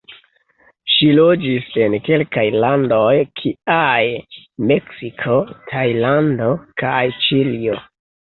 Ŝi loĝis en kelkaj landoj, kiaj Meksiko, Tajlando kaj Ĉilio.